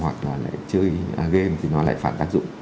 hoặc là lại chơi game thì nó lại phản tác dụng